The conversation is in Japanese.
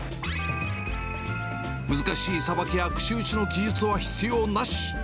難しいさばきや串打ちの技術は必要なし。